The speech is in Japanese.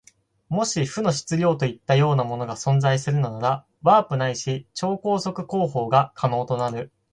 もし負の質量といったようなものが存在するなら、ワープないし超光速航法が可能となる。